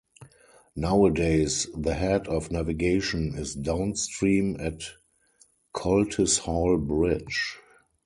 Nowadays, the head of navigation is downstream at Coltishall Bridge.